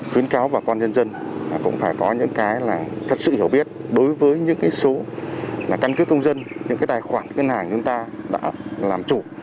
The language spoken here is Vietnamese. khuyến cáo bà con nhân dân cũng phải có những cái là thật sự hiểu biết đối với những cái số là căn cứ công dân những cái tài khoản ngân hàng chúng ta đã làm chủ